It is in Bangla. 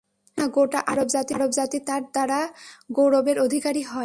কেননা, গোটা আরব জাতি তার দ্বারা গৌরবের অধিকারী হয়।